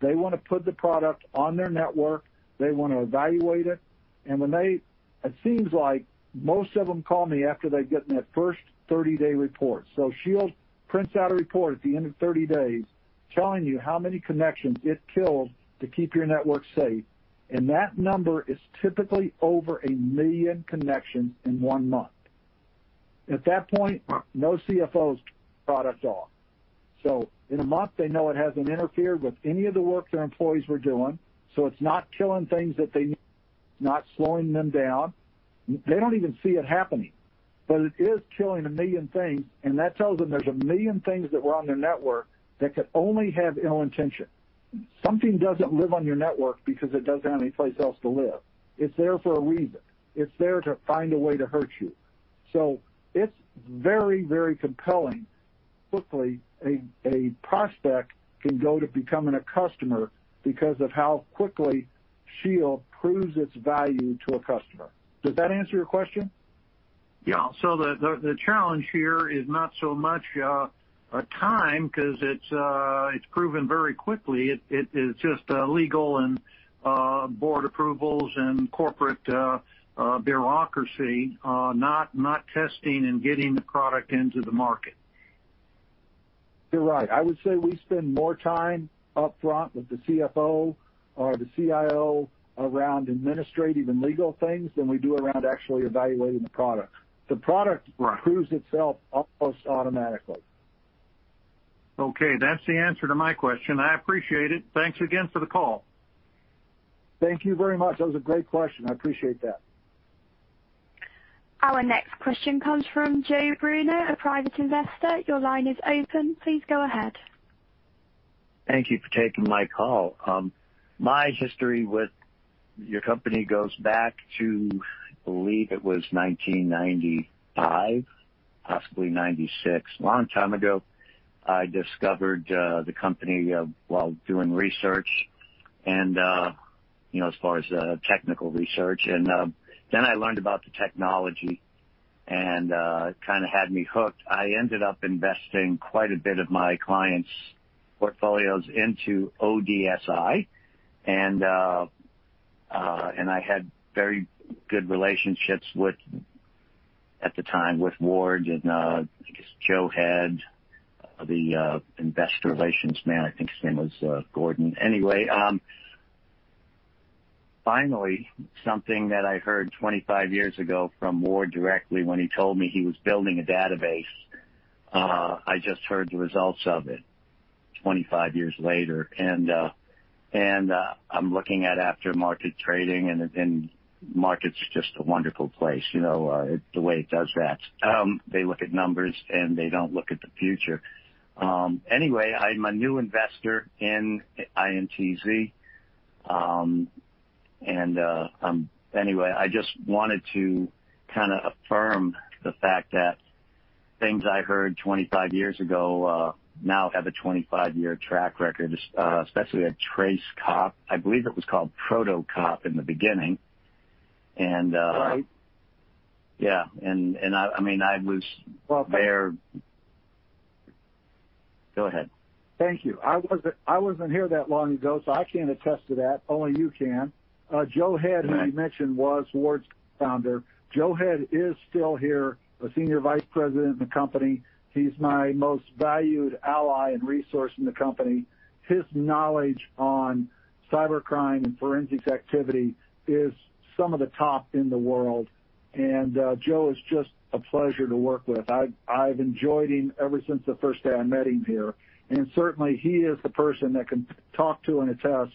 Speaker 4: They want to put the product on their network. They want to evaluate it. It seems like most of them call me after they've gotten that first 30-day report. Shield prints out a report at the end of 30 days telling you how many connections it killed to keep your network safe, and that number is typically over a million connections in one month. At that point, no CFO is turning the product off. In a month, they know it hasn't interfered with any of the work their employees were doing. It's not killing things that they need, not slowing them down. They don't even see it happening. It is killing a million things, and that tells them there's a million things that were on their network that could only have ill intention. Something doesn't live on your network because it doesn't have any place else to live. It's there for a reason. It's there to find a way to hurt you. It's very compelling. Quickly, a prospect can go to becoming a customer because of how quickly Shield proves its value to a customer. Does that answer your question?
Speaker 9: Yeah. The challenge here is not so much time because it's proven very quickly. It's just legal and board approvals and corporate bureaucracy, not testing and getting the product into the market.
Speaker 4: You're right. I would say we spend more time upfront with the CFO or the CIO around administrative and legal things than we do around actually evaluating the product.
Speaker 9: Right. The product proves itself almost automatically. Okay. That's the answer to my question. I appreciate it. Thanks again for the call.
Speaker 4: Thank you very much. That was a great question. I appreciate that.
Speaker 1: Our next question comes from Joe Bruno, a private investor. Your line is open. Please go ahead.
Speaker 10: Thank you for taking my call. My history with your company goes back to, I believe it was 1995, possibly '96. A long time ago, I discovered the company while doing research and, as far as technical research, and then I learned about the technology, and kind of had me hooked. I ended up investing quite a bit of my clients' portfolios into ODSI, and I had very good relationships at the time with Ward and, I guess Joe had the investor relations man, I think his name was Gordon. Anyway, finally, something that I heard 25 years ago from Ward directly when he told me he was building a database, I just heard the results of it 25 years later. I'm looking at after-market trading, and the market's just a wonderful place. The way it does that. They look at numbers, and they don't look at the future. Anyway, I'm a new investor in INTZ. Anyway, I just wanted to kind of affirm the fact that things I heard 25 years ago now have a 25-year track record, especially at TraceCop. I believe it was called ProtoCop in the beginning.
Speaker 4: Right
Speaker 10: Yeah. I was there. Go ahead.
Speaker 4: Thank you. I wasn't here that long ago, so I can't attest to that. Only you can. T. Joe Head, who you mentioned, was Ward's founder. T. Joe Head is still here, a senior vice president in the company. He's my most valued ally and resource in the company. His knowledge on cybercrime and forensics activity is some of the top in the world. Joe is just a pleasure to work with. I've enjoyed him ever since the first day I met him here, and certainly he is the person that can talk to and attest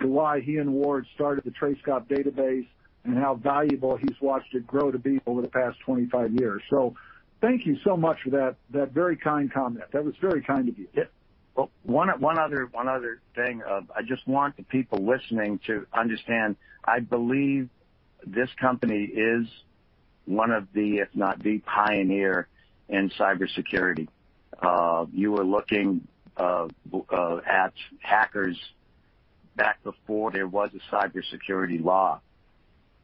Speaker 4: to why he and Ward started the TraceCop database and how valuable he's watched it grow to be over the past 25 years. Thank you so much for that very kind comment. That was very kind of you.
Speaker 10: Yeah. Well, one other thing. I just want the people listening to understand, I believe this company is one of the, if not the, pioneer in cybersecurity. You were looking at hackers back before there was a cybersecurity law,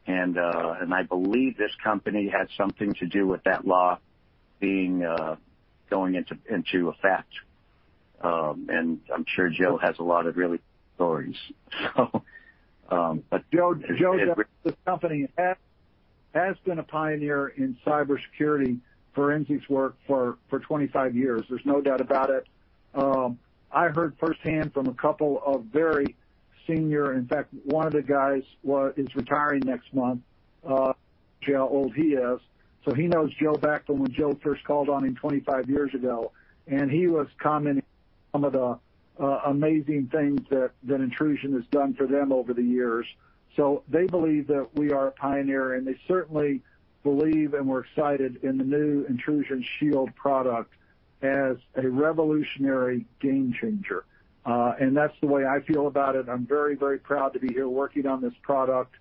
Speaker 10: and I believe this company had something to do with that law going into effect. I'm sure Joe has a lot of really good stories, so but Joe-
Speaker 4: Joe, the company, has been a pioneer in cybersecurity forensics work for 25 years. There's no doubt about it. I heard firsthand from a couple of very senior. In fact, one of the guys is retiring next month. Guess how old he is. He knows Joe back from when Joe first called on him 25 years ago, and he was commenting on some of the amazing things that Intrusion has done for them over the years. They believe that we are a pioneer, and they certainly believe and were excited in the new Intrusion Shield product as a revolutionary game changer. That's the way I feel about it. I'm very proud to be here working on this product.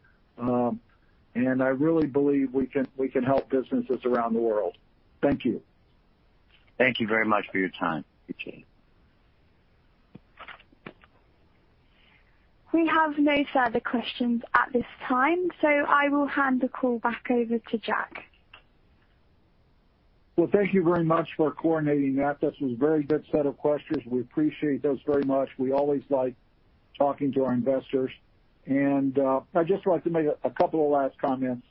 Speaker 4: I really believe we can help businesses around the world. Thank you.
Speaker 10: Thank you very much for your time. Appreciate it.
Speaker 1: We have no further questions at this time. I will hand the call back over to Jack.
Speaker 4: Well, thank you very much for coordinating that. This was a very good set of questions. We appreciate those very much. We always like talking to our investors. I'd just like to make a couple of last comments.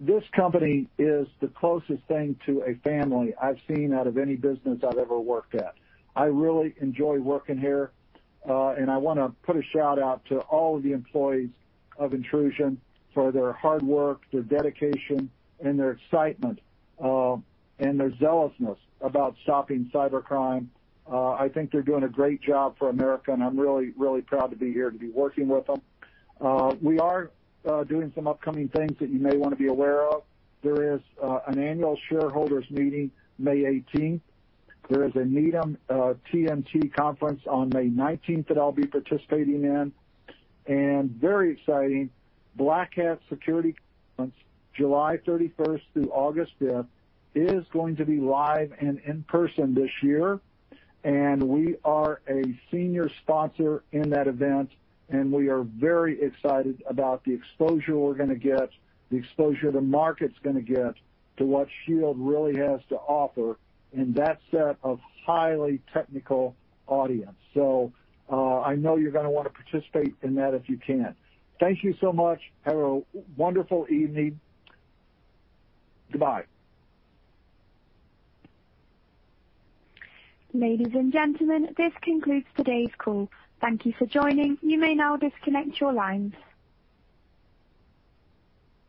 Speaker 4: This company is the closest thing to a family I've seen out of any business I've ever worked at. I really enjoy working here. I want to put a shout-out to all of the employees of Intrusion for their hard work, their dedication, and their excitement, and their zealousness about stopping cybercrime. I think they're doing a great job for America, and I'm really proud to be here to be working with them. We are doing some upcoming things that you may want to be aware of. There is an annual shareholders meeting May 18th. There is a Needham TMT Conference on May 19th that I'll be participating in. Very exciting, Black Hat Security Conference, July 31st through August 5th, is going to be live and in person this year. We are a senior sponsor in that event, and we are very excited about the exposure we're going to get, the exposure the market's going to get to what Shield really has to offer in that set of highly technical audience. I know you're going to want to participate in that if you can. Thank you so much. Have a wonderful evening. Goodbye.
Speaker 1: Ladies and gentlemen, this concludes today's call. Thank you for joining. You may now disconnect your lines.